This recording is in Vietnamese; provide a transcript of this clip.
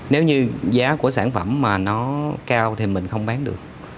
nếu như giá của sản phẩm mà nó cao thì mình không bán được